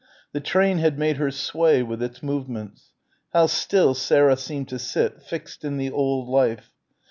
The train had made her sway with its movements. How still Sarah seemed to sit, fixed in the old life.